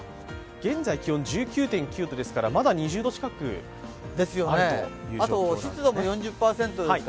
現在、気温１９．９度ですからまだ２０度近くあるという状況なんですね。